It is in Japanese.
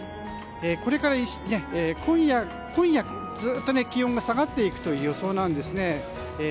これから今夜ずっと気温が下がっていくという予想なんですね。